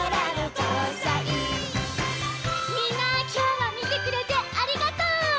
みんなきょうはみてくれてありがとう！